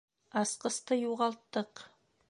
Асҡысты юғалттыҡ!